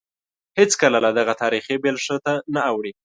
هېڅکله له دغه تاریخي بېلښته نه اوړي.